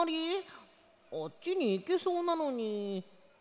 あっちにいけそうなのにいけないぞ。